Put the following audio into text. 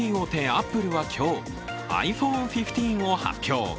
アップルは今日ｉＰｈｏｎｅ１５を発表。